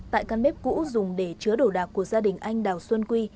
tại căn bếp cũ dùng để chứa đồ đạc của gia đình anh đào xuân quy